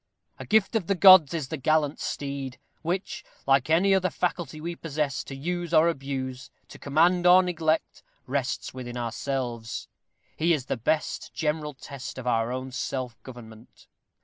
A gift of the gods is the gallant steed, which, like any other faculty we possess, to use or to abuse to command or to neglect rests with ourselves; he is the best general test of our own self government.